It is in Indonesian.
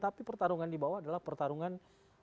tapi pertarungan di bawah adalah pertarungan